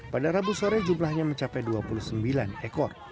pada rabu sore jumlahnya mencapai dua puluh sembilan ekor